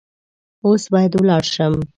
اوس باید ولاړ شم .